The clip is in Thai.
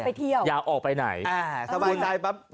ไปเที่ยวอย่าออกไปไหนอ่าสบายใจปั๊บ